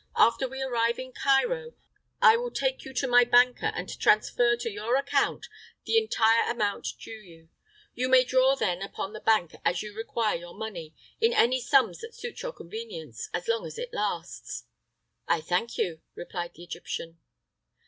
After we arrive in Cairo I will take you to my banker and transfer to your account the entire amount due you. You may draw then upon the bank as you require your money, in any sums that suit your convenience so long as it lasts." "I thank you," replied the Egyptian.